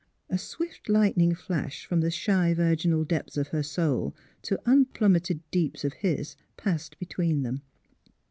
" A swift lightning flash from the shy virginal depths of her soul to unplummeted deeps of his passed between them.